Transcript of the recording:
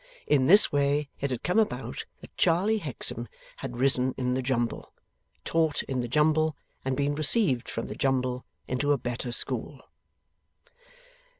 In this way it had come about that Charley Hexam had risen in the jumble, taught in the jumble, and been received from the jumble into a better school.